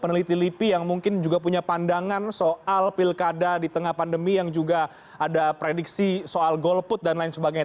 peneliti lipi yang mungkin juga punya pandangan soal pilkada di tengah pandemi yang juga ada prediksi soal golput dan lain sebagainya